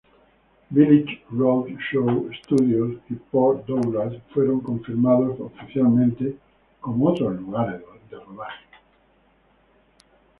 Village Roadshow Studios y Port Douglas fueron confirmados oficialmente como otros lugares de rodaje.